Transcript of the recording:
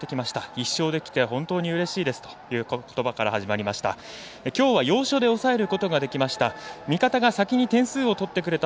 １勝できて本当にうれしいですということばから始まりました。